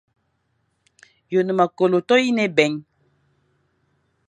Ye one me kôlo toyine ébèign.